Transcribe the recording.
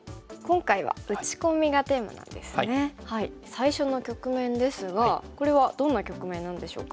最初の局面ですがこれはどんな局面なんでしょうか。